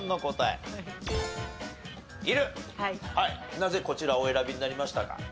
なぜこちらをお選びになりましたか？